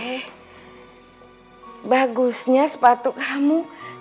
eh bagusnya sepatu kamu